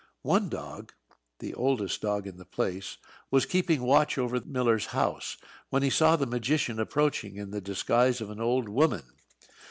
One dog the oldest dog in the place was keeping watch over the miller's house, when he saw the magician approaching, in the disguise of an old woman.